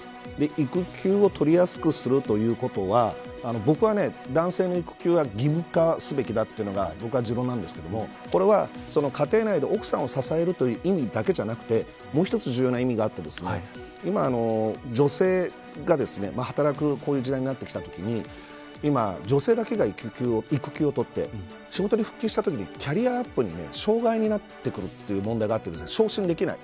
育休を取りやすくするということは僕は男性の育休は義務化すべきだというのが持論なんですけどこれは家庭内で奥さんを支えるという意味だけじゃなくてもう一つ重要な意味があって今、女性が働くこういう時代になってきたときに女性だけが育休を取って仕事に復帰したときにキャリアアップに障害なってくる問題があって昇進できない。